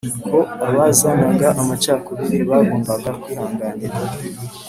Ko abazanaga amacakubiri bagombaga kwihanganirwa